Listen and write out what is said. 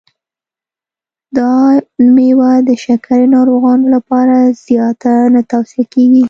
دا مېوه د شکرې ناروغانو لپاره زیاته نه توصیه کېږي.